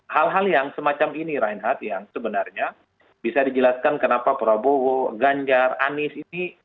hal hal yang semacam ini reinhardt yang sebenarnya bisa dijelaskan kenapa prabowo ganjar anies ini